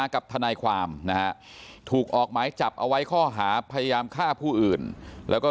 กับทนายความนะฮะถูกออกหมายจับเอาไว้ข้อหาพยายามฆ่าผู้อื่นแล้วก็